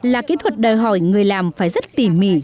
là kỹ thuật đòi hỏi người làm phải rất tỉ mỉ